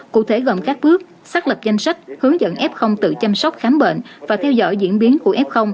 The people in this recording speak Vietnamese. cụ thể gồm các bước xác lập danh sách hướng dẫn f tự chăm sóc khám bệnh và theo dõi diễn biến của f